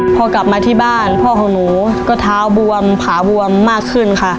พอกลับมาที่บ้านพ่อของหนูก็เท้าบวมผาบวมมากขึ้นค่ะ